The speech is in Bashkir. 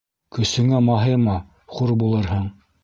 Көсөңә маһайма, хур булырһың.